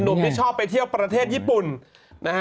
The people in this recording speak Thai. หนุ่มที่ชอบไปเที่ยวประเทศญี่ปุ่น